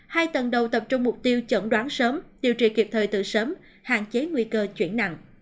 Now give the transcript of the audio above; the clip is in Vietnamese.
hai tầng đầu tập trung mục tiêu chẩn đoán sớm điều trị kịp thời từ sớm hạn chế nguy cơ chuyển nặng